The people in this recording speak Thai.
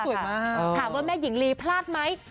ถามว่าแม่หญิงลีพลาดไหม